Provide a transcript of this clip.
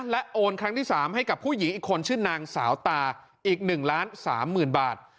และโอนครั้งที่๓ให้กับผู้หญิงอีกคนชื่อนางสาวตาอีก๑ล้าน๓๐๐๐บาท